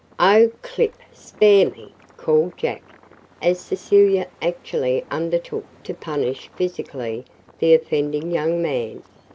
"Oh, Clip! Spare me!" called Jack, as Cecilia actually undertook to punish physically the offending young man.